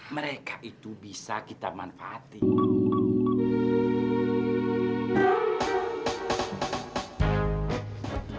mereka itu bisa kita manfaatin